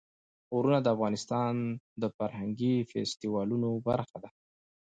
غرونه د افغانستان د فرهنګي فستیوالونو برخه ده.